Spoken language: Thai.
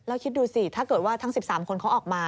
แล้วคิดดูสิถ้าเกิดว่าทั้ง๑๓คนเขาออกมา